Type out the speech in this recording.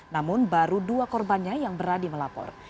namun baru dua korbannya yang berani melapor